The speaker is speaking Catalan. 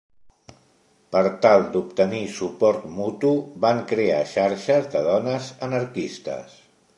Per tal d'obtenir suport mutu, van crear xarxes de dones anarquistes.